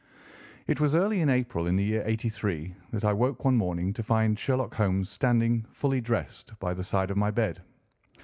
It was early in April in the year '83 that I woke one morning to find Sherlock Holmes standing, fully dressed, by the side of my bed.